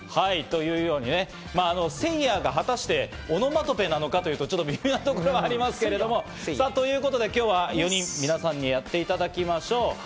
というように、「せいや」が果たしてオノマトペなのかというと、微妙なところもありますけれど、ということで今日は４人に皆さんにやっていただきましょう。